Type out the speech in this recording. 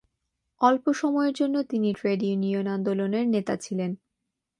অল্প সময়ের জন্য তিনি ট্রেড ইউনিয়ন আন্দোলনের নেতা ছিলেন।